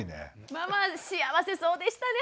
ママ幸せそうでしたね